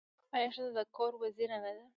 آیا ښځه د کور وزیره نه ده؟